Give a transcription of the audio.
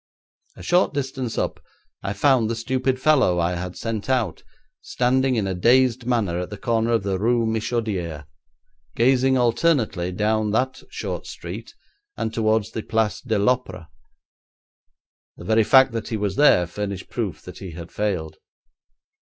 A short distance up I found the stupid fellow I had sent out, standing in a dazed manner at the corner of the Rue Michodière, gazing alternately down that short street and towards the Place de l'Opéra. The very fact that he was there furnished proof that he had failed.